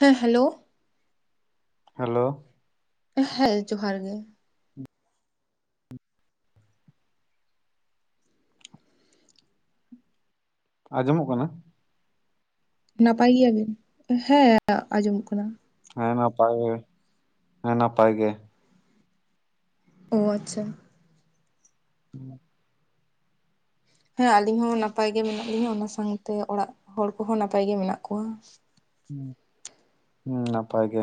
ᱦᱮᱸ hello. Hello. ᱦᱮᱸ ᱡᱚᱦᱟᱨ ᱜᱮ᱾ ᱟᱸᱡᱚᱢᱚᱜ ᱠᱟᱱᱟ? ᱱᱟᱯᱟᱭ ᱜᱮᱭᱟᱵᱤᱱ ᱦᱮᱸ ᱟᱸᱡᱚᱢᱚᱜ ᱠᱟᱱᱟ᱾ ᱦᱮᱸ ᱱᱟᱯᱟᱭ ᱜᱮ ᱦᱮᱸ ᱱᱟᱯᱟᱭ ᱜᱮ᱾ ᱚ ᱟᱪᱪᱷᱟ᱾ ᱦᱮᱸ᱾ ᱦᱮᱸ ᱟᱞᱤᱧ ᱦᱚᱸ ᱱᱟᱯᱟᱭ ᱜᱮ ᱢᱮᱱᱟᱜ ᱞᱤᱧᱟ ᱚᱱᱟ ᱥᱟᱝᱛᱮ ᱚᱲᱟᱜ ᱦᱚᱲ ᱠᱚᱦᱚᱸ ᱱᱟᱯᱟᱭ ᱜᱮ ᱢᱮᱱᱟᱜ ᱠᱚᱣᱟ᱾ ᱦᱩᱸ ᱱᱟᱯᱟᱭ ᱜᱮ᱾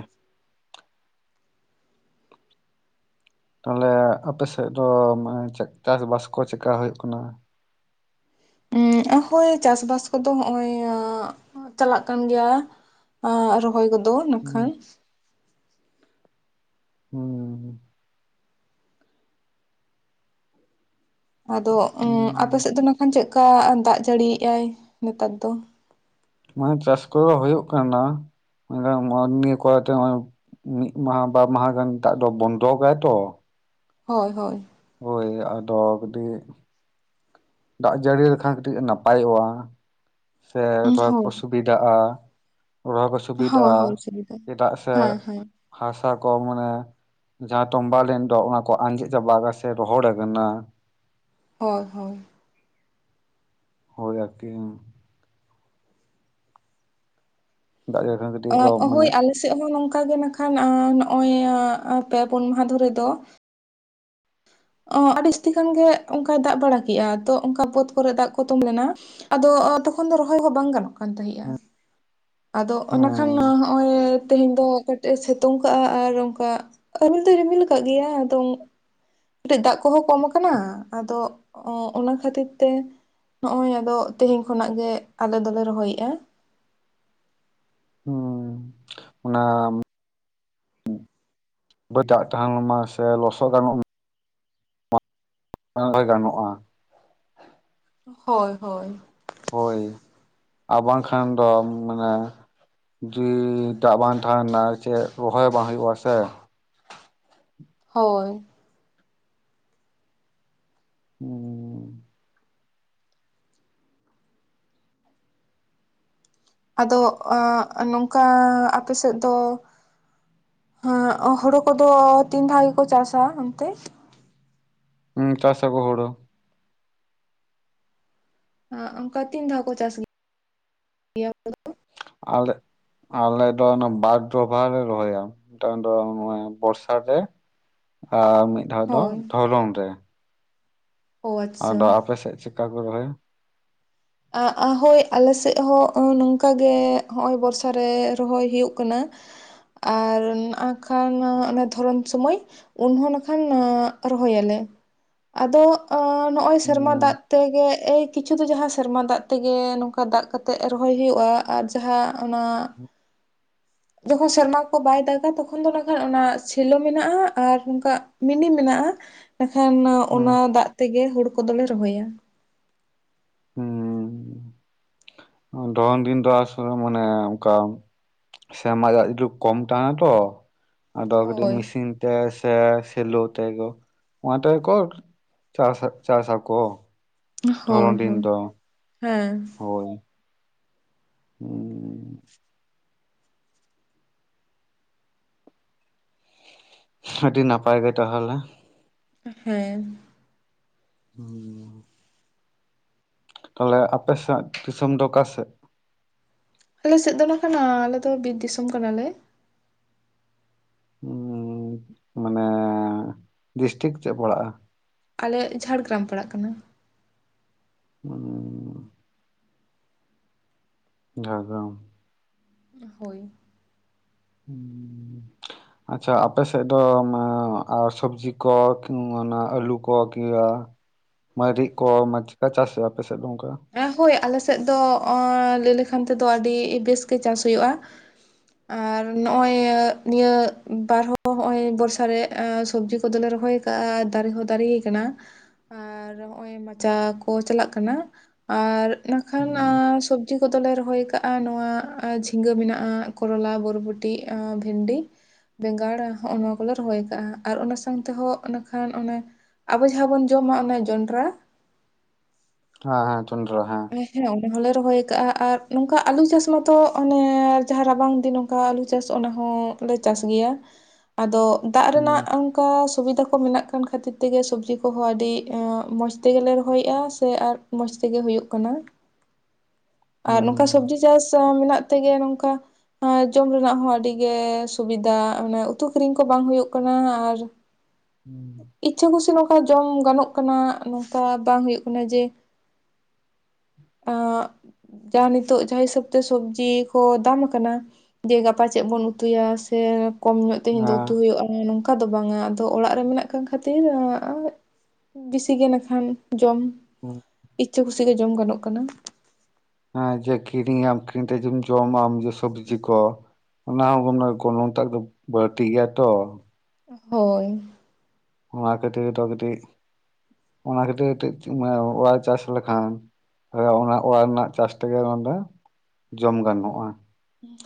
ᱛᱟᱦᱚᱞᱮ ᱟᱯᱮ ᱥᱮᱫ ᱫᱚ ᱢᱟᱱᱮ ᱪᱮᱫ ᱪᱟᱥᱵᱟᱥ ᱠᱚ ᱪᱮᱠᱟ ᱦᱩᱭᱩᱜ ᱠᱟᱱᱟ? ᱦᱳᱭ ᱪᱟᱥᱵᱟᱥ ᱠᱚᱫᱚ ᱦᱚᱸᱜ-ᱚᱭ ᱪᱟᱞᱟᱜ ᱠᱟᱱ ᱜᱮᱭᱟ᱾ ᱟ ᱨᱚᱦᱚᱭ ᱠᱚᱫᱚ ᱱᱟᱜ ᱠᱷᱟᱱ᱾ ᱦᱩᱸ᱾ ᱟᱫᱚ ᱟᱯᱮ ᱥᱮᱫ ᱫᱚ ᱱᱟᱜ ᱠᱷᱟᱱ ᱪᱮᱫᱠᱟᱭ ᱫᱟᱜ ᱡᱟᱹᱲᱤᱭᱮᱜ-ᱟᱭ ᱱᱮᱛᱟᱨ ᱫᱚ ᱢᱟᱱᱮ ᱪᱟᱥ ᱠᱚᱫᱚ ᱦᱩᱭᱩᱜ ᱠᱟᱱᱟ᱾ ᱢᱮᱱᱠᱷᱟᱱ ᱱᱚᱜ ᱱᱤᱭᱟᱹ ᱠᱚᱨᱮᱛᱮ ᱱᱚᱜ-ᱚᱭ ᱢᱤᱫ ᱢᱟᱦᱟ ᱵᱟᱨ ᱢᱟᱦᱟ ᱜᱟᱱ ᱫᱟᱜ ᱫᱚ ᱵᱚᱱᱰᱚ ᱜᱮᱭᱟ ᱛᱚ᱾ ᱦᱳᱭ ᱦᱳᱭ᱾ ᱦᱳᱭ ᱟᱫᱚ ᱠᱟᱹᱴᱤᱡ ᱫᱟᱜ ᱡᱟᱹᱲᱤ ᱞᱮᱠᱷᱟᱱ ᱠᱟᱹᱴᱤᱡ ᱱᱟᱯᱟᱭᱚᱜᱼᱟ ᱥᱮ ᱨᱚᱦᱚᱭ ᱦᱳᱭ ᱠᱚ ᱥᱩᱵ ᱥᱩᱵᱤᱫᱷᱜᱼᱟ ᱨᱚᱦᱚᱭ ᱠᱚ ᱦᱳᱭ ᱥᱩᱵᱤᱫᱷᱜᱼᱟ ᱦᱳᱭ ᱥᱩᱵᱤᱫᱟ ᱪᱮᱫᱟᱜ ᱥᱮ ᱦᱮᱸ ᱦᱮᱸ ᱦᱟᱥᱟ ᱠᱚ ᱢᱟᱱᱮ ᱡᱟᱦᱟᱸ ᱛᱚᱢᱵᱟ ᱞᱮᱱ ᱰᱚ ᱚᱱᱟ ᱠᱚ ᱟᱸᱡᱮᱫ ᱪᱟᱵᱟᱜᱼᱟ ᱥᱮ ᱨᱚᱦᱚᱲ ᱟᱠᱟᱱᱟ᱾ ᱦᱳᱭ ᱦᱳᱭ᱾ ᱦᱩᱭ ᱟᱨᱠᱤ ᱫᱟᱜ ᱡᱟᱹᱲᱤ ᱠᱷᱟᱱ ᱠᱟᱹᱴᱤᱡ ᱠᱚ ᱚ ᱦᱳᱭ ᱢᱟᱱᱮ ᱟᱞᱮ ᱥᱮᱫ ᱦᱚᱸ ᱱᱚᱝᱠᱟ ᱜᱮ ᱱᱟᱠᱷᱟᱱ ᱮ ᱱᱚᱜᱼᱚᱭ ᱮ ᱯᱮ ᱯᱩᱱ ᱢᱟᱦᱟ ᱫᱷᱚᱨᱮ ᱫᱚ ᱚ ᱟᱹᱰᱤ ᱡᱟᱹᱥᱛᱤ ᱠᱷᱟᱱ ᱜᱮ ᱚᱱᱠᱟᱭ ᱫᱟᱜ ᱵᱟᱲᱟ ᱠᱮᱼᱟ ᱛᱚ ᱚᱱᱠᱟ ᱵᱟᱹᱫ ᱠᱚᱨᱮᱜ ᱫᱟᱜ ᱠᱚ ᱛᱚᱢᱵᱟ ᱞᱮᱱᱟ ᱟᱫᱚ ᱚ ᱛᱚᱠᱷᱚᱱ ᱫᱚ ᱨᱚᱦᱚᱭ ᱦᱚᱸ ᱵᱟᱝ ᱜᱟᱱᱚᱜ ᱠᱟᱱ ᱛᱟᱦᱮᱸᱼᱟ᱾ ᱟᱫᱚ ᱚᱱᱟ ᱠᱷᱟᱱ ᱦᱩᱸ ᱦᱚᱸᱜᱼᱚᱭ ᱛᱮᱦᱮᱧ ᱫᱚ ᱠᱟᱹᱴᱤᱡᱼᱮ ᱥᱮᱛᱳᱝ ᱠᱟᱜᱼᱟ ᱟᱨ ᱚᱱᱠᱟ [unintelligible] ᱨᱤᱢᱤᱞ ᱟᱠᱟᱫ ᱜᱮᱭᱟ, ᱟᱫᱚ ᱠᱟᱹᱴᱤᱡ ᱫᱟᱜ ᱠᱚᱦᱚᱸ ᱠᱚᱢ ᱠᱟᱱᱟ, ᱟᱫᱚ ᱚ ᱚᱱᱟ ᱠᱷᱟᱹᱛᱤᱨ ᱛᱮ ᱱᱚᱜ-ᱚᱭ ᱟᱫᱚ ᱛᱤᱦᱤᱧ ᱠᱷᱚᱱᱟᱜ ᱜᱮ, ᱟᱞᱮ ᱫᱚᱞᱮ ᱨᱚᱦᱚᱭᱮᱫᱼᱟ᱾ ᱦᱩᱸ, ᱚᱱᱟ ᱵᱟᱹᱫ ᱫᱟᱜ ᱴᱟᱝ ᱢᱟ ᱥᱮ ᱞᱚᱥᱚᱫ ᱜᱟᱱᱚᱜ [unintelligible] ᱜᱟᱱᱚᱜᱼᱟ᱾ ᱦᱳᱭ ᱦᱳᱭ᱾ ᱦᱳᱭ, ᱟᱨ ᱵᱟᱝᱠᱷᱟᱱ ᱫᱚ ᱢᱟᱱᱮ ᱡᱩᱣᱤ ᱫᱟᱜ ᱵᱟᱝ ᱛᱟᱦᱮᱱᱟ ᱪᱮᱫ ᱨᱚᱦᱚᱭ ᱵᱟᱝ ᱦᱩᱭᱩᱜᱼᱟ ᱥᱮ? ᱦᱳᱭ᱾ ᱦᱩᱸ᱾ ᱟᱫᱚ ᱮ ᱱᱚᱝᱠᱟᱻ ᱟᱯᱮ ᱥᱮᱫ ᱫᱚ ᱦᱮᱸ ᱦᱳᱲᱳ ᱠᱚᱫᱚ ᱛᱤᱱ ᱫᱷᱟᱣ ᱜᱮᱠᱚ ᱪᱟᱥᱟ ᱚᱱᱛᱮ? ᱦᱩᱸ ᱪᱟᱥ ᱟᱠᱚ ᱦᱳᱲᱳ᱾ ᱮ ᱚᱱᱠᱟ ᱛᱤᱱ ᱫᱷᱟᱣ ᱠᱚ ᱪᱟᱥ ᱜᱮ ᱜᱮᱭᱟ ᱚᱱᱛᱮ ᱫᱚ? ᱟᱞᱮ ᱟᱞᱮ ᱫᱚ ᱚᱱᱟ ᱵᱟᱨ ᱫᱚᱵᱷᱟ ᱞᱮ ᱨᱚᱦᱚᱭᱟ ᱢᱤᱫᱴᱟᱝ ᱫᱚ ᱦᱚᱸ-ᱚᱭ ᱵᱚᱨᱥᱟ ᱨᱮ ᱟᱨ ᱢᱤᱫ ᱫᱷᱟᱣ ᱫᱚ ᱦᱳᱭ ᱫᱷᱚᱨᱚᱱ ᱨᱮ᱾ ᱚ ᱟᱰᱚ ᱟᱪᱪᱷᱟ ᱟᱯᱮ ᱥᱮᱫ ᱪᱮᱫᱠᱟ ᱠᱚ ᱨᱚᱦᱚᱭᱟ? ᱮ ᱦᱳᱭ ᱟᱞᱮ ᱥᱮᱫ ᱦᱚᱸ ᱱᱚᱝᱠᱟ ᱜᱮ ᱦᱚᱸᱜᱼᱚᱭ ᱵᱚᱨᱥᱟ ᱨᱮ ᱨᱚᱦᱚᱭ ᱦᱩᱭᱩᱜ ᱠᱟᱱᱟ᱾ ᱟᱨ ᱱᱟᱜ ᱠᱷᱟᱱ ᱚᱱᱮ ᱫᱷᱚᱨᱚᱱ ᱥᱚᱢᱚᱭ᱾ ᱩᱱᱦᱚᱸ ᱱᱟᱠᱷᱟᱱ ᱨᱚᱦᱚᱭᱟᱞᱮ ᱟᱫᱚ ᱚ ᱱᱚᱜ-ᱚᱭ ᱥᱮᱨᱢᱟ ᱦᱩᱸ ᱫᱟᱜ ᱛᱮᱜᱮ ᱮᱭ ᱠᱤᱪᱷᱩ ᱫᱚ ᱡᱟᱦᱟᱸ ᱥᱮᱨᱢᱟ ᱫᱟᱜ ᱛᱮᱜᱮ ᱱᱚᱝᱠᱟ ᱫᱟᱜ ᱠᱟᱛᱮᱫ ᱨᱚᱦᱚᱭ ᱦᱩᱭᱩᱜᱼᱟ ᱟᱨ ᱡᱟᱦᱟᱸ ᱚᱱᱟ ᱡᱚᱠᱷᱚᱱ ᱥᱮᱨᱢᱟ ᱠᱚ ᱵᱟᱭ ᱫᱟᱜᱟ ᱛᱚᱠᱷᱚᱱ ᱫᱚ ᱱᱟᱜ ᱠᱷᱟᱱ ᱚᱱᱟ ᱥᱮᱞᱳ ᱢᱮᱱᱟᱜᱼᱟ ᱟᱨ ᱱᱚᱝᱠᱟ ᱢᱤᱱᱤ ᱢᱮᱱᱟᱜᱼᱟ, ᱮᱱᱠᱷᱟᱱ ᱚᱱᱟ ᱦᱩᱸ ᱫᱟᱜ ᱛᱮᱜᱮ ᱦᱳᱲᱳ ᱠᱚᱫᱚ ᱞᱮ ᱨᱚᱦᱚᱭᱟ᱾ ᱫᱷᱚᱨᱚᱱ ᱫᱤᱱ ᱫᱚ ᱟᱥᱚᱞᱮ ᱢᱟᱱᱮ ᱚᱱᱠᱟ ᱥᱮᱨᱢᱟ ᱫᱟᱜ ᱡᱩ‌ ᱠᱚᱢ ᱛᱟᱦᱮᱱᱟ ᱛᱚ ᱟᱫᱚ ᱠᱟᱹᱴᱤᱡ ᱦᱳᱭ ᱢᱤᱥᱤᱱ ᱛᱮ ᱥᱮ ᱥᱮᱞᱳ ᱛᱮ ᱜᱚ ᱚᱱᱟᱛᱮ ᱜᱮ ᱠᱚ ᱪᱟᱥᱟ ᱪᱟᱥ ᱟᱠᱚ ᱦᱳᱭ ᱫᱷᱚᱨᱚᱱ ᱫᱤᱱ ᱦᱳᱭ ᱫᱚ, ᱦᱮᱸ ᱦᱳᱭ᱾ ᱦᱩᱸ᱾ ᱟᱹᱰᱤ ᱱᱟᱯᱟᱭ ᱜᱮ ᱴᱟᱦᱚᱞᱮ᱾ ᱦᱮᱸ᱾ [unintelligible] ᱛᱟᱞᱦᱮ ᱟᱯᱮ ᱥᱮᱫ ᱫᱤᱥᱚᱢ ᱫᱚ ᱚᱠᱟ ᱥᱮᱫ? ᱟᱞᱮ ᱥᱮᱫ ᱫᱚ ᱱᱟᱠᱷᱟᱱ ᱟ ᱟᱞᱮᱫᱚ ᱵᱤᱨ ᱫᱤᱥᱚᱢ ᱠᱟᱱᱟ ᱞᱮ᱾ ᱦᱩᱸ ᱢᱟᱱᱮᱻ ᱰᱤᱥᱴᱤᱠ ᱪᱮᱫ ᱯᱟᱲᱟᱜᱼᱟ? ᱟᱞᱮᱭᱟᱜ ᱡᱷᱟᱲᱜᱨᱟᱢ ᱯᱟᱲᱟᱜ ᱠᱟᱱᱟ᱾ [inaudible] ᱡᱷᱟᱲᱜᱨᱟᱢ᱾ ᱦᱳᱭ᱾ [unintelligible] ᱟᱪᱪᱷᱟ ᱟᱯᱮ ᱥᱮᱫ ᱫᱚ ᱢᱟ ᱟᱨ ᱥᱚᱵᱽᱡᱤ ᱠᱚ ᱠᱤ ᱚᱱᱟ ᱟᱹᱞᱩ ᱠᱚ ᱠᱤ ᱟ ᱢᱟᱹᱨᱤᱪ ᱠᱚ ᱢᱟ ᱪᱮᱠᱟ ᱪᱟᱥ ᱦᱳᱭᱳᱜ-ᱟ ᱟᱯᱮᱥᱮᱫ ᱫᱚ ᱚᱱᱠᱟ? ᱦᱳᱭ ᱟᱞᱮ ᱥᱮᱫ ᱫᱚ ᱞᱟᱹᱭ ᱞᱮᱠᱷᱟᱱ ᱛᱮᱫᱚ ᱟᱹᱰᱤ ᱵᱮᱥ ᱜᱮ ᱪᱟᱥ ᱦᱩᱭᱩᱜᱼᱟ᱾ ᱟᱨ ᱱᱚᱜᱼᱚᱭ ᱱᱤᱭᱟᱹ ᱵᱟᱨᱦᱚᱸ ᱱᱚᱜᱼᱚᱭ ᱵᱚᱨᱥᱟ ᱨᱮ ᱥᱚᱵᱡᱤ ᱠᱚᱫᱚᱞᱮ ᱨᱚᱦᱚᱭ ᱫᱟᱨᱮ ᱦᱚᱸ ᱫᱟᱨᱮᱭ ᱠᱟᱱᱟ ᱟᱨ ᱱᱚᱜᱼᱚᱭ ᱢᱟᱪᱟ ᱠᱚ ᱪᱟᱞᱟᱜ ᱠᱟᱱᱟ, ᱟᱨ ᱱᱟᱠᱷᱟᱱ ᱦᱩᱸ ᱥᱚᱵ ᱡᱤ ᱠᱚᱫᱚᱞᱮ ᱨᱚᱦᱚᱭ ᱠᱟᱜᱼᱟ ᱱᱚᱣᱟ ᱡᱷᱤᱸᱜᱟᱹ ᱢᱮᱱᱟᱜᱼᱟ ᱠᱚᱨᱚᱞᱟ ᱵᱚᱨᱵᱚᱴᱤ ᱵᱷᱮᱱᱰᱤ, ᱵᱮᱸᱜᱟᱲᱟ ᱦᱚᱸᱜᱼ ᱱᱚᱣᱟ ᱠᱚᱞᱮ ᱨᱚᱦᱚᱭ ᱠᱟᱜᱼᱟ ᱟᱨ ᱚᱱᱟ ᱥᱟᱶ ᱛᱮᱦᱚᱸ ᱚᱱᱟ ᱠᱷᱟᱱ ᱚᱱᱮᱼ- ᱟᱵᱚ ᱡᱟᱦᱟᱸ ᱵᱚᱱ ᱡᱚᱢᱟ ᱚᱱᱟ ᱡᱚᱱᱰᱨᱟ, ᱦᱮᱸ ᱦᱮᱸ ᱡᱚᱱᱰᱨᱟ ᱦᱮᱸ᱾ ᱦᱮᱸ ᱚᱰᱮ ᱦᱚᱞᱮ ᱨᱚᱦᱚᱭ ᱠᱟᱜᱼᱟ ᱟᱨ ᱱᱚᱝᱠᱟ ᱟᱞᱩ ᱪᱟᱥ ᱢᱟᱛᱚ ᱚᱱᱮ ᱡᱟᱦᱟᱸ ᱨᱟᱵᱟᱝ ᱫᱤᱱ ᱠᱟ ᱟᱹᱞᱩ ᱪᱟᱥ ᱚᱱᱟ ᱦᱚᱸ ᱞᱮ ᱪᱟᱥ ᱜᱮᱭᱟ ᱟᱫᱚ ᱫᱟᱜ ᱨᱮᱱᱟᱜ ᱦᱩᱸ ᱚᱱ ᱠᱟ ᱥᱩᱵᱤᱫᱷᱟ ᱠᱚ ᱢᱮᱱᱟᱜ ᱠᱷᱟᱱ ᱠᱷᱟᱹᱛᱤᱨ ᱛᱮᱜᱮ ᱥᱚᱵᱡᱤ ᱠᱚᱦᱚᱸ ᱟᱹᱰᱤ ᱢᱚᱸᱡᱽ ᱛᱮᱜᱮᱞᱮ ᱨᱚᱦᱚᱭᱮᱜᱼᱟ ᱥᱮ ᱟᱨ ᱢᱚᱡᱽ ᱛᱮᱜᱮ ᱦᱩᱭᱩᱜ ᱠᱟᱱᱟ ᱟᱨ ᱦᱩᱸ ᱦᱩᱸ ᱱᱚᱝ ᱠᱟ ᱥᱚᱵᱽᱡᱤ ᱪᱟᱥ ᱢᱮᱱᱟᱜ ᱛᱮᱜᱮ ᱱᱚᱝᱠᱟ ᱟᱨ ᱡᱚᱢ ᱨᱮᱱᱟᱜ ᱦᱚᱸ ᱟᱹᱰᱤ ᱜᱮ ᱥᱩᱵᱤᱫᱷᱟ ᱢᱟᱱᱮ ᱩᱛᱩ ᱠᱤᱨᱤᱧ ᱠᱚ ᱵᱟᱝ ᱦᱩᱭᱩᱜ ᱠᱟᱱᱟ ᱟᱨ [inaudible] ᱤᱪᱪᱷᱟᱹ ᱠᱩᱥᱤ ᱱᱚᱝᱠᱟ ᱡᱚᱢ ᱜᱟᱱᱚᱜ ᱠᱟᱱᱟ ᱱᱚᱝᱠᱟ ᱵᱟᱝ ᱦᱩᱭᱩᱜ ᱠᱟᱱᱟ ᱡᱮ ᱮ ᱡᱟᱦᱟᱸ ᱱᱤᱛᱚᱜ ᱡᱟᱦᱟᱸ ᱦᱤᱥᱟᱹᱵ ᱛᱮ ᱥᱚᱵᱡᱤ ᱠᱚ ᱫᱟᱢ ᱟᱠᱟᱱᱟ᱾ ᱡᱮ ᱜᱟᱯᱟ ᱪᱮᱫ ᱵᱚᱱ ᱩᱛᱩᱭᱟ ᱥᱮ ᱠᱚᱢ ᱧᱚᱜ ᱛᱮᱦᱮᱧ ᱫᱚ ᱦᱮᱸ ᱩᱛᱩ ᱦᱩᱭᱩᱜᱼᱟ ᱱᱚᱝ ᱠᱟ ᱫᱚ ᱵᱟᱝᱟ ᱟᱫᱚ ᱚᱲᱟᱜ ᱨᱮ ᱢᱮᱱᱟᱜ ᱠᱟᱱ ᱠᱷᱟᱹᱛᱤᱨ ᱵᱤᱥᱤᱜᱮ ᱱᱟᱠᱷᱟᱱ ᱡᱚᱢ᱾ ᱦᱮᱸ ᱤᱪᱷᱟ. ᱠᱩᱥᱤ ᱜᱮ ᱡᱚᱢ ᱜᱟᱱᱚᱜ ᱠᱟᱱᱟ᱾ ᱦᱮᱸ ᱡᱮ ᱠᱤᱨᱤᱧ ᱟᱢ ᱠᱤᱨᱤᱧ ᱠᱟᱛᱮ ᱡᱚᱢ ᱟᱢ ᱡᱮ ᱥᱚᱵᱡᱤ ᱠᱚ᱾ ᱚᱱᱟ ᱦᱚᱸ ᱜᱚᱱᱚᱝ ᱴᱟᱜ ᱫᱚ ᱵᱟᱹᱲᱛᱤ ᱜᱮᱭᱟ ᱛᱚ᱾ ᱦᱳᱭ ᱚᱱᱟ ᱠᱷᱟᱹᱛᱤᱨ ᱫᱚ ᱠᱟᱹᱴᱤᱡ ᱚᱱᱟ ᱠᱷᱟᱹᱛᱤᱨ ᱠᱟᱹᱴᱤᱡ ᱚᱲᱟᱭ ᱪᱟᱥ ᱞᱮᱠᱷᱟᱱ ᱚᱱᱟ ᱚᱲᱟᱜ ᱨᱮᱱᱟᱜ ᱪᱟᱥ ᱛᱮᱜᱮ ᱱᱚᱰᱮ ᱡᱚᱢ ᱜᱟᱱᱚᱜᱼᱟ᱾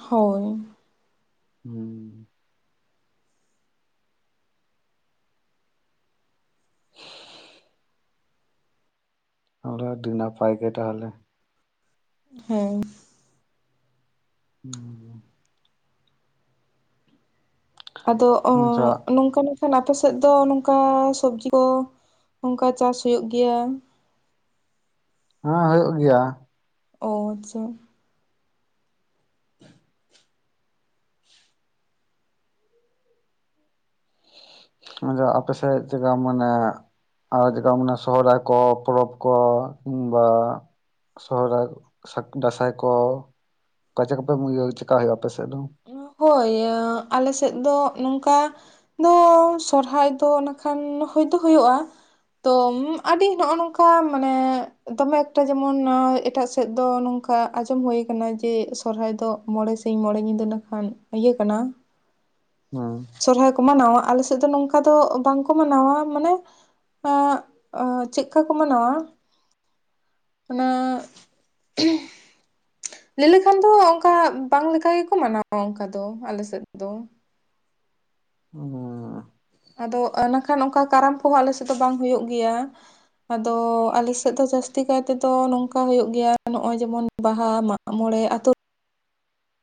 ᱦᱳᱭ ᱦᱩᱸ [inaudible] ᱚᱱᱰᱮ ᱟᱹᱰᱤ ᱱᱟᱯᱟᱭ ᱜᱮ ᱛᱟᱦᱚᱞᱮ᱾ ᱦᱮᱸ ᱦᱮᱸ ᱟᱫᱚ ᱚ ᱱᱚᱝᱠᱟᱱᱟᱜ, ᱠᱷᱟᱱ ᱟᱯᱮ ᱥᱮᱫ ᱫᱚ ᱱᱚᱝᱠᱟ ᱥᱚᱵᱡᱤ ᱠᱚ ᱱᱚᱝᱠᱟ ᱪᱟᱥ ᱦᱩᱭᱩᱜ ᱜᱮᱭᱟ᱾ ᱦᱮᱸ ᱦᱩᱭᱩᱜ ᱜᱮᱭᱟ᱾ ᱚ ᱟᱪᱪᱷᱟ᱾ [inaudible] ᱟᱫᱚ ᱟᱯᱮ ᱥᱮᱫ ᱛᱮᱫᱚ ᱢᱟᱱᱮ ᱟᱨ ᱪᱮᱠᱟ ᱚᱱᱟ ᱥᱚᱦᱚᱨᱟᱭ ᱠᱚ ᱯᱚᱨᱚᱵᱽ ᱠᱚ ᱠᱤᱝ ᱵᱟ ᱥᱚᱦᱨᱟᱭ ᱥᱟᱠ ᱫᱟᱸᱥᱟᱭ ᱠᱚ ᱠᱟ ᱪᱮ ᱠᱚᱯᱮ ᱤᱭᱟᱹ ᱪᱮᱠᱟ ᱦᱩᱭᱩᱜᱼᱟ ᱟᱯᱮ ᱥᱮᱫ ᱫᱚ? ᱦᱳᱭ ᱟᱞᱮ ᱥᱮᱫ ᱫᱚ ᱱᱚᱝᱠᱟ ᱫᱚ ᱥᱚᱨᱦᱟᱭ ᱫᱚ ᱚᱱᱟᱠᱷᱟᱱ ᱦᱚᱭ ᱫᱚ ᱦᱩᱭᱩᱜᱼᱟ, ᱛᱚ ᱟᱹᱰᱤ ᱱᱚᱜᱼᱚ ᱱᱚᱝᱠᱟ ᱢᱟᱱᱮ ᱫᱚᱢᱮ ᱮᱠᱴᱟ ᱡᱮᱢᱚᱱ ᱮᱴᱟᱜ ᱥᱮᱫ ᱫᱚ ᱱᱚᱝᱠᱟ ᱟᱸᱡᱚᱢ ᱦᱩᱭ ᱟᱠᱟᱱᱟ ᱡᱮ ᱥᱚᱨᱦᱟᱭ ᱫᱚ ᱢᱚᱬᱮ ᱥᱤᱧ ᱢᱚᱬᱮ ᱧᱤᱫᱟᱹ ᱞᱮᱠᱷᱟᱱ ᱤᱭᱟᱹ ᱠᱟᱱᱟ ᱦᱩᱸ ᱥᱚᱨᱦᱟᱭ ᱠᱚ ᱢᱟᱱᱟᱣᱟ ᱟᱞᱮ ᱥᱮᱫ ᱫᱚ ᱱᱚᱝᱠᱟ ᱫᱚ ᱵᱟᱝᱠᱚ ᱢᱟᱱᱟᱣᱟ ᱢᱟᱱᱮ [unintelligible] ᱪᱮᱜᱠᱟ ᱠᱚ ᱢᱟᱱᱟᱣᱟ ᱚᱱᱟ ᱞᱟᱹᱭ ᱞᱮᱠᱷᱟᱱ ᱫᱚ ᱚᱱᱠᱟ, ᱵᱟᱝ ᱞᱮᱠᱟ ᱜᱮᱠᱚ ᱢᱟᱱᱟᱣᱟ ᱚᱱᱠᱟ ᱫᱚ ᱟᱞᱮ ᱥᱮᱫ ᱫᱚ ᱾ [unintelligible] ᱟᱫᱚ ᱱᱟᱠᱷᱟᱱ ᱚᱱᱠᱟ ᱠᱟᱨᱟᱢ ᱠᱚᱦᱚᱸ ᱟᱞᱮ ᱥᱮᱫ ᱫᱚ ᱵᱟᱝ ᱦᱳᱭᱳᱜ ᱜᱮᱭᱟ ᱾ ᱟᱫᱚ ᱟᱞᱮ ᱥᱮᱫ ᱫᱚ ᱡᱟᱹᱥᱛᱤ ᱠᱟᱭᱛᱮ ᱫᱚ ᱱᱚᱝᱠᱟ ᱦᱳᱭᱳᱜ ᱜᱮᱭᱟ, ᱱᱚᱜᱼᱚᱭ ᱡᱮᱢᱚᱱ ᱵᱟᱦᱟ ᱢᱟᱜ ᱢᱚᱬᱮᱸ ᱟᱛᱳ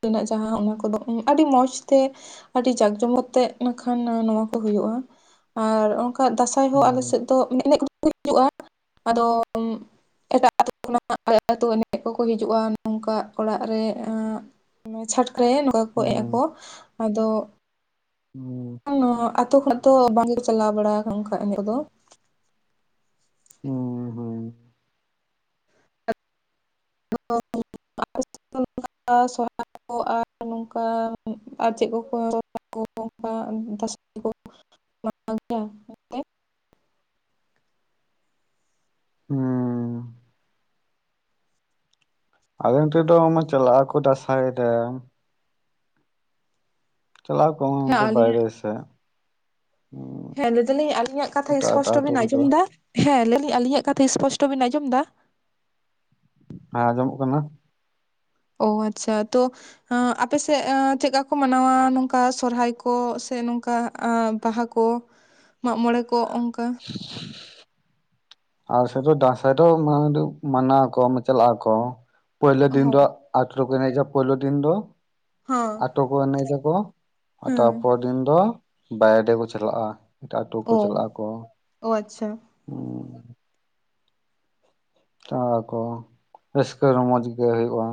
ᱨᱮᱱᱟᱜ ᱡᱟᱦᱟᱸ ᱚᱱᱟ ᱠᱚᱫᱚ ᱟᱹᱰᱤ ᱢᱚᱡᱽ ᱛᱮ ᱟᱹᱰᱤ ᱡᱟᱠ ᱡᱚᱢᱚᱠ ᱛᱮᱜ ᱱᱟᱠᱷᱟᱱ ᱱᱚᱣᱟ ᱠᱚ ᱦᱳᱭᱳᱜᱼᱟ ᱾ ᱟᱨ ᱚᱱᱠᱟ ᱫᱟᱥᱟᱭ ᱦᱚᱸ ᱟᱞᱮ ᱦᱩᱸ ᱥᱮᱫ ᱫᱚ [unintelligible] ᱦᱳᱭᱳᱜᱼᱟ ᱟᱫᱚ ᱮᱴᱟᱜ ᱟᱹᱛᱩ ᱠᱷᱚᱱᱟᱜ ᱟᱞᱮ ᱟᱹᱛᱩ ᱮᱱᱮᱡ ᱠᱚᱠᱚ ᱦᱤᱡᱩᱜᱼᱟ ᱱᱚᱝᱠᱟ ᱚᱲᱟᱜ ᱨᱮ ᱪᱷᱟᱴᱠ ᱨᱮ ᱱᱚᱝᱠᱟ ᱠᱚ [unintelligible] ᱟᱠᱚᱣᱟ ᱟᱫᱚ ᱦᱩᱸ᱾ ᱟᱛᱳ ᱠᱷᱚᱱᱟᱜ ᱫᱚ ᱵᱟᱝᱞᱮ ᱪᱟᱞᱟᱣ ᱵᱟᱲᱟ ᱠᱟ‌ᱱᱟ ᱚᱝᱠᱟ ᱮᱱᱮᱜ ᱫᱚ ᱾ ᱦᱩᱸ ᱦᱩᱸ [unintelligible] ᱟᱨ ᱱᱚᱝᱠᱟ ᱟᱨ ᱪᱮᱜ ᱠᱚ ᱠᱚ [unintelligible] [unintelligible] ᱦᱩᱸ ᱟᱞᱮ ᱚᱱᱛᱮ ᱫᱚ ᱢᱟ ᱪᱟᱞᱟᱜᱼᱟ ᱠᱚ ᱫᱟᱥᱟᱭ ᱨᱮ ᱾ ᱪᱮᱞᱟ ᱠᱚᱦᱚ ᱦᱮᱸ ᱚᱰᱮ ᱟᱹᱞᱤᱧᱟᱜ ᱵᱟᱭᱨᱮ ᱥᱮᱜ ᱾ ᱦᱮᱸ ᱞᱟᱹᱭ ᱫᱟᱹᱞᱤᱧ ᱟᱞᱤᱧᱟᱜ ᱠᱟᱛᱷᱟ ᱮᱴᱟᱜ ᱮᱴᱟᱜ ᱤᱥᱯᱚᱥᱴᱚ ᱟᱛᱳ ᱵᱮᱱ ᱠᱚ ᱟᱸᱡᱚᱢ ᱪᱟᱞᱟᱜᱼᱟ ᱫᱟ? ᱦᱮᱸ [unintelligible] ᱟᱞᱤᱧᱟᱜ ᱠᱟᱛᱷᱟ ᱤᱥᱯᱚᱥᱴᱚ ᱵᱤᱱ ᱟᱸᱡᱚᱢ ᱫᱟ? ᱦᱮᱸ ᱟᱸᱡᱚᱢᱚᱜ ᱠᱟᱱᱟ ᱾ ᱚ ᱟᱪᱪᱷᱟ ᱛᱚ ᱟᱯᱮ ᱥᱮᱜ ᱪᱮᱜᱠᱟ ᱠᱚ ᱢᱟᱱᱟᱣᱟ ᱱᱚᱝᱠᱟ ᱥᱚᱨᱦᱟᱭ ᱠᱚ, ᱥᱮ ᱱᱚᱝᱠᱟ ᱵᱟᱦᱟ ᱠᱚ? [inaudible] ᱢᱟᱜ ᱢᱚᱬᱮᱸ ᱠᱚ ᱚᱱᱠᱟ ᱾ ᱟᱞᱮ ᱥᱮᱜ ᱫᱚ ᱰᱟᱥᱟᱭ ᱰᱚ, [unintelligible] ᱪᱟᱞᱟᱜᱼᱟᱠᱚ ᱯᱳᱭᱞᱳ ᱫᱤᱱ ᱦᱳᱭ᱾ ᱫᱚ ᱟᱴᱳ ᱨᱮ ᱠᱚ ᱮᱱᱮᱡᱟ ᱯᱳᱭᱞᱳ ᱰᱤᱱ ᱰᱚ ᱦᱚᱸ ᱟᱴᱳ ᱠᱚ ᱮᱱᱮᱡᱟᱠᱚ ᱦᱮᱸ ᱛᱟᱨ ᱯᱚᱨ ᱰᱤᱱ ᱰᱚ ᱵᱟᱭᱰᱮᱠᱚ ᱪᱟᱞᱟᱜᱼᱟ, ᱮᱴᱟᱜ ᱟᱴᱳ ᱠᱚ ᱪᱟᱞᱟᱜᱼᱟ ᱠᱚ᱾ ᱳ ᱟᱪᱪᱷᱟ ᱾ [inaudible] ᱪᱟᱠᱚ ᱨᱟᱹᱥᱠᱟᱹ ᱨᱚᱢᱚᱡᱽ ᱜᱮ ᱦᱳᱭᱳᱜᱼᱟ᱾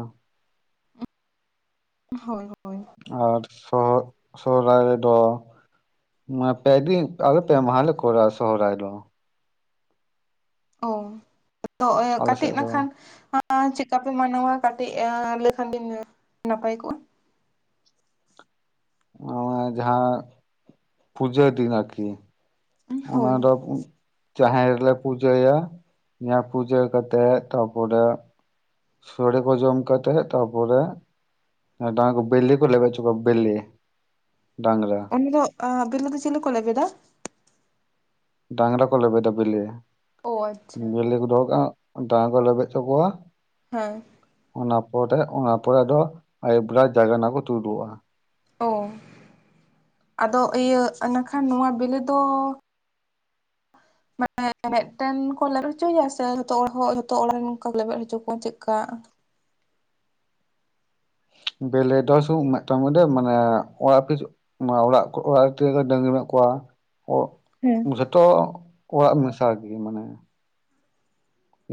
ᱦᱳᱭ ᱦᱳᱭ ᱾ ᱟᱨ ᱥᱚᱦ-ᱥᱚᱦᱨᱟᱭ ᱨᱮᱰᱚ ᱢᱟ ᱯᱮ ᱰᱤᱱ ᱟᱞᱮ ᱯᱮ ᱢᱟᱦᱟᱸᱞᱮ ᱠᱚᱨᱟᱣ ᱥᱚᱦᱚᱨᱟᱭ ᱰᱚ ᱾ ᱚ [unintelligible] ᱟᱞᱮ ᱠᱟᱴᱤᱡ ᱥᱮᱫ ᱫᱚ ᱱᱟᱠᱷᱟᱱ ᱪᱮᱜ ᱠᱟᱯᱮ ᱢᱟᱱᱟᱣᱟ? ᱠᱟᱹᱴᱤᱡ ᱞᱟᱹᱭ ᱠᱷᱟᱱ ᱵᱤᱱ ᱱᱟᱯᱟᱭ ᱠᱚᱜᱼᱟ ᱾ ᱚ ᱡᱟᱦᱟᱸ ᱯᱩᱡᱟᱹ ᱫᱤᱱ ᱟᱨᱠᱤ ᱚᱱᱟ ᱦᱳᱭ ᱰᱚ ᱡᱟᱦᱮᱨ ᱨᱮᱞᱮ ᱯᱩᱡᱟᱹᱭᱟ, ᱯᱩᱡᱟᱹ ᱠᱟᱛᱮᱜ ᱛᱟᱯᱚᱨᱮ ᱥᱳᱲᱮ ᱠᱚ ᱡᱚᱢ ᱠᱟᱛᱮᱜ ᱛᱟᱯᱚᱨᱮ ᱰᱟᱸᱠᱚ ᱵᱮᱞᱮ ᱠᱚ ᱞᱮᱵᱮᱜ ᱪᱚ ᱠᱚᱣᱟ ᱵᱮᱞᱮ ᱰᱟᱝᱜᱽᱨᱟ ᱾ [unintelligible] ᱵᱮᱞᱮ ᱫᱚ ᱪᱤᱞᱤ ᱠᱚ ᱞᱮᱵᱮᱫᱟ? ᱰᱟᱝᱜᱽᱨᱟ ᱠᱚ ᱞᱮᱵᱮᱰᱟ ᱵᱮᱞᱤ, ᱚ ᱟᱪᱪᱷᱟ ᱵᱮᱞᱮ ᱠᱚ ᱰᱚᱦᱚ ᱠᱟᱜᱼᱟ ᱰᱟᱝ ᱠᱚ ᱞᱮᱵᱮᱜ ᱪᱚ ᱠᱚᱣᱟ ᱦᱮᱸ ᱾ ᱚᱱᱟ ᱯᱚᱨᱮ, ᱚᱱᱟ ᱯᱚᱨᱮ ᱟᱫᱚ ᱦᱟᱸᱜ ᱟᱹᱭᱩᱵ ᱵᱮᱨᱟ ᱡᱟᱜᱟᱱᱟ ᱠᱚ ᱛᱩᱫᱩᱜᱼᱟ ᱾ ᱚ ᱟᱫᱚ ᱤᱭᱟᱹ, ᱤᱱᱟᱹᱠᱷᱟᱱ ᱱᱚᱣᱟ ᱵᱮᱞᱮ ᱫᱚ [inaudible] ᱢᱮᱜᱴᱮᱱ ᱠᱚ ᱞᱮᱵᱮᱜ ᱦᱚᱪᱚᱭᱟ ᱥᱮ ᱡᱷᱚᱛᱚ ᱡᱷᱚᱛᱚ ᱚᱲᱟᱜ ᱨᱮᱱ ᱠᱚ ᱞᱮᱵᱮᱫ ᱦᱚᱪᱚ ᱠᱚᱣᱟ ᱪᱮᱜᱠᱟ? ᱵᱮᱞᱮ ᱫᱚ ᱥᱩᱜ ᱢᱤᱜᱴᱮᱱ [unintelligible] ᱢᱟᱱᱮ ᱚᱲᱟᱜ ᱠᱤᱪᱷᱩ ᱚᱱᱟ ᱚᱲᱟᱜ-ᱠᱚ ᱚᱲᱟᱜ ᱨᱮ ᱛᱤᱱᱟᱹᱜ ᱜᱟᱱ ᱰᱟᱹᱝᱨᱤ ᱢᱮᱱᱟᱜ ᱠᱚᱣᱟ ᱚ ᱦᱮᱸ ᱡᱷᱚᱛᱚ ᱚᱲᱟᱜ ᱢᱮᱥᱟ ᱜᱮ ᱢᱟᱱᱮ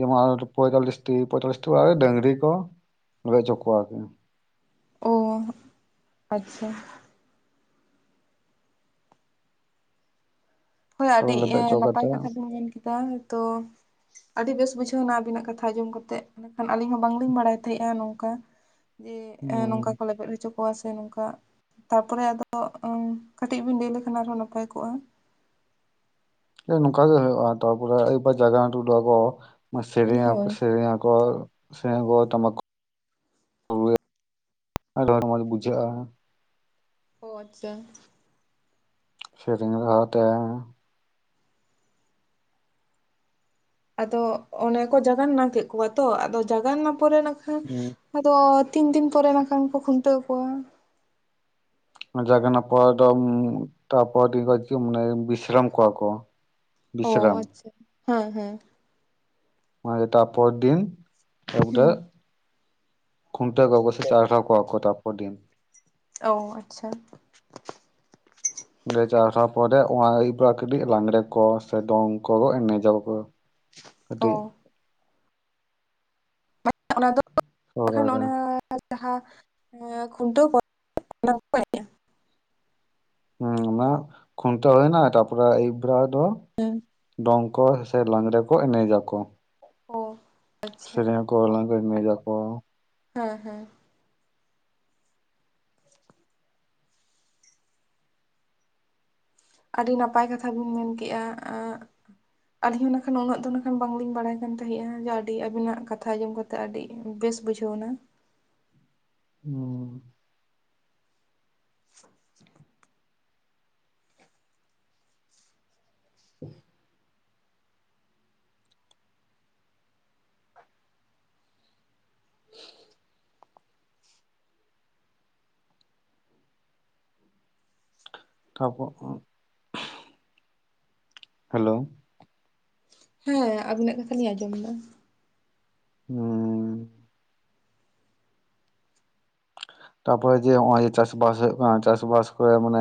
ᱡᱮᱢᱚᱱ ᱯᱚᱸᱭᱛᱟᱞᱞᱤᱥᱴᱤ ᱯᱚᱸᱭᱛᱟᱞᱞᱤᱥᱴᱤ ᱚᱲᱟᱜ ᱨᱮ ᱰᱟᱹᱝᱨᱤ ᱠᱚ [unintelligible] ᱚᱪᱚ ᱠᱚᱣᱟ ᱠᱚ ᱟᱨᱠᱤ ᱾ ᱚᱻ ᱟᱪᱪᱷᱟ ᱾ ᱦᱳᱭ ᱛᱚᱵᱮ ᱟᱹᱰᱤᱜ ᱞᱮᱵᱮᱫ ᱦᱚᱪᱚ ᱱᱟᱯᱟᱭ ᱠᱟᱛᱮ ᱠᱟᱛᱷᱟ ᱜᱮᱢ ᱢᱮᱱ ᱠᱮᱫᱟ ᱛᱚ ᱟᱹᱰᱤ ᱵᱮᱥ ᱵᱩᱡᱷᱟᱹᱣᱱᱟ ᱟᱹᱵᱤᱱᱟᱜ ᱠᱟᱛᱷᱟ ᱟᱸᱡᱚᱢ ᱠᱟᱛᱮᱜ ᱢᱮᱱᱠᱷᱟᱱ ᱟᱹᱞᱤᱧ ᱦᱚᱸ ᱵᱟᱝᱞᱤᱧ ᱵᱟᱲᱟᱭ ᱛᱟᱦᱮᱸᱜᱼᱟ ᱱᱚᱝᱠᱟ ᱾ ᱡᱮ ᱮᱸ ᱱᱚᱝᱠᱟ ᱠᱚ ᱦᱩᱸ ᱞᱮᱵᱮᱫᱽ ᱦᱚᱪᱚ ᱠᱚᱣᱟ ᱥᱮ ᱱᱚᱝᱠᱟ ᱛᱟᱯᱚᱨᱮ ᱟᱫᱚ ᱟᱹᱻ ᱠᱟᱹᱴᱤᱡ ᱵᱤᱱ ᱞᱟᱹᱭ ᱞᱮᱠᱷᱟᱱ ᱟᱨᱦᱚᱸ ᱱᱟᱯᱟᱭ ᱠᱚᱜᱼᱟ ᱾ ᱡᱮ ᱱᱚᱝᱠᱟ ᱜᱮ ᱦᱩᱭᱩᱜᱼᱟ ᱛᱟᱨᱯᱚᱨᱮ ᱟᱹᱭᱩᱵ ᱵᱮᱲᱟ ᱡᱟᱜᱟᱣᱟᱱ ᱚᱰᱚᱠᱚᱜᱼᱟᱠᱚ ᱾ ᱢᱟ ᱥᱮᱨᱮᱧ ᱟᱠᱚ ᱦᱳᱭ ᱥᱮᱨᱮᱧ ᱟᱠᱚ ᱾ ᱥᱮ ᱜᱚ ᱴᱟᱢᱟᱠ [inaudible] ᱨᱩ [inaudible] ᱟᱹᱰᱤ ᱢᱚᱡᱽ ᱵᱩᱡᱷᱟᱹᱜᱼᱟ ᱾ ᱚ ᱟᱪᱪᱷᱟ ᱾ ᱥᱮᱨᱮᱧ ᱨᱟᱦᱟ ᱛᱮ ᱾ ᱟᱫᱚ ᱚᱱᱮ ᱠᱚ ᱡᱟᱜᱟᱱᱱᱟ ᱠᱮᱜ ᱠᱚᱣᱟ ᱛᱚ ᱟᱫᱚ ᱡᱟᱜᱟᱱᱱᱟ ᱯᱚᱨᱮ ᱤᱱᱟᱹ ᱠᱷᱟᱱ ᱟᱫᱚ ᱛᱤᱱ ᱫᱤᱱ ᱯᱚᱨᱮ ᱱᱟᱠᱷᱟᱱ ᱠᱚ ᱠᱷᱩᱱᱴᱟᱹᱣ ᱠᱚᱣᱟ? ᱡᱟᱜᱟᱱᱟ ᱯᱚᱨ ᱫᱚ ᱛᱟᱨᱯᱚᱨ ᱫᱤᱱ ᱠᱷᱚᱡ ᱢᱟᱱᱮ ᱵᱤᱥᱨᱟᱢ ᱠᱚᱣᱟ ᱠᱚ ᱾ ᱚ ᱟᱪᱪᱷᱟ ᱦᱮᱸ ᱦᱮᱸ ᱾ ᱚᱱᱟ ᱜᱮ ᱛᱟᱨᱯᱚᱨ ᱫᱤᱱ ᱦᱮᱸ ᱛᱟᱯᱚᱨᱮᱜ ᱠᱷᱩᱱᱴᱟᱹᱣ ᱠᱚᱣᱟ ᱠᱚ ᱥᱮ ᱪᱟᱨᱦᱟᱣ ᱠᱚᱣᱟ ᱠᱚ ᱛᱟᱨᱯᱚᱨ ᱫᱤᱱ ᱾ ᱚ ᱟᱪᱪᱷᱟ ᱾ ᱚᱸᱰᱮ ᱪᱟᱨᱦᱟᱣ ᱯᱚᱨᱮ ᱚᱱᱟ ᱟᱹᱭᱩᱵ ᱵᱮᱲᱟ ᱠᱟᱹᱴᱤᱡ ᱞᱟᱝᱜᱽᱲᱮ ᱠᱚ ᱥᱮ ᱫᱚᱝ ᱠᱚ ᱮᱱᱮᱡ ᱟᱠᱚ ᱾ ᱚᱻ ᱚᱱᱟ ᱫᱚ [inaudible] ᱥᱚᱦᱨᱟᱭ ᱵᱟᱠᱷᱟᱱ ᱨᱮ ᱚᱱᱟ ᱟᱨ ᱡᱟᱦᱟᱸ ᱠᱷᱩᱱᱴᱟᱹᱣ [inaudible] ᱦᱩᱸ ᱚᱱᱟ ᱠᱷᱩᱱᱴᱟᱹᱣ ᱦᱩᱭᱮᱱᱟ ᱛᱟᱯᱚᱨᱮ ᱟᱭᱩᱵ ᱵᱮᱲᱟ ᱫᱚ ᱦᱮᱸ ᱾ ᱫᱚᱝ ᱠᱚ ᱥᱮ ᱞᱟᱜᱽᱲᱮ ᱠᱚ ᱮᱱᱮᱡ ᱟᱠᱚ ᱾ ᱚᱻ ᱟᱪᱪᱷᱟ ᱾ ᱠᱚ ᱞᱟᱝᱲᱮ ᱮᱱᱮᱡ ᱟᱠᱚ ᱾ ᱦᱮᱸ ᱦᱮᱸ ᱾ ᱟᱹᱰᱤ ᱱᱟᱯᱟᱭ ᱠᱟᱛᱷᱟ ᱵᱤᱱ ᱢᱮᱱ ᱠᱮᱜᱼᱟ ᱟᱹᱻ ᱟᱹᱞᱤᱧ ᱦᱚᱸ ᱱᱟᱹᱠᱷᱟᱱ ᱩᱱᱟᱹᱜ ᱫᱚ ᱱᱟᱹᱠᱷᱟᱱ ᱵᱟᱝᱞᱤᱧ ᱵᱟᱲᱟᱭ ᱠᱟᱱ ᱛᱟᱦᱮᱸᱜ-ᱟ ᱡᱮ ᱟᱹᱰᱤ ᱟᱹᱵᱤᱱᱟᱜ ᱠᱟᱛᱷᱟ ᱟᱸᱡᱚᱢ ᱠᱟᱛ ᱛᱮ ᱟᱹᱰᱤ ᱵᱮᱥ ᱵᱩᱡᱷᱟᱹᱣ ᱮᱱᱟ ᱾ ᱦᱚᱸ ᱾ [inaudible] [inaudible] [inaudible] [unintelligible] ᱦᱮᱞᱳ ᱦᱮᱸ ᱟᱵᱤᱱᱟᱜ ᱠᱟᱛᱷᱟ ᱞᱤᱧ ᱟᱸᱡᱚᱢᱫᱟ᱾ ᱦᱩᱸ᱾ ᱛᱟᱯᱚᱨᱮ ᱡᱮ ᱱᱚᱜ ᱚᱭ ᱡᱮ ᱪᱟᱥ ᱵᱟᱥ ᱦᱳᱭᱳᱜ ᱠᱟᱱᱟ ᱪᱟᱥᱵᱟᱥ ᱠᱚᱨᱮ ᱢᱟᱱᱮ